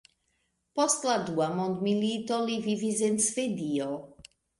Post la dua mondmilito li vivis en Svedio.